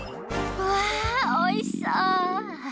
わあおいしそう。